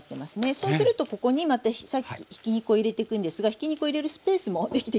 そうするとここにまたひき肉を入れていくんですがひき肉を入れるスペースも出来てきますよね。